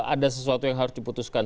ada sesuatu yang harus diputuskan